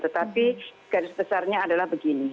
tetapi garis besarnya adalah begini